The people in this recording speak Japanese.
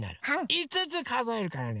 ５つかぞえるからね